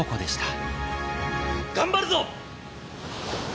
頑張るぞ！